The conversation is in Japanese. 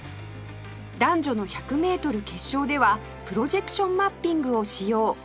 男女の１００メートル決勝ではプロジェクションマッピングを使用